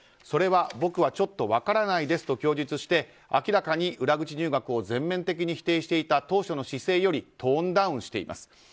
それは僕はちょっと分からないですと供述して明らかに裏口入学を全面的に否定していた姿勢よりトーンダウンしています。